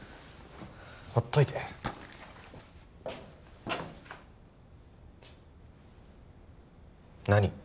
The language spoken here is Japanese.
ほっといて何？